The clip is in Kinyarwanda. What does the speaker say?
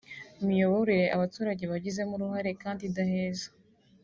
imiyoborere abaturage bagizemo uruhare kandi idaheza